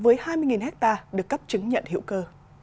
với hai mươi hectare được cấp chứng nhận hữu cơ